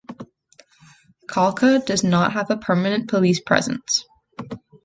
Kalka does not have a permanent police presence.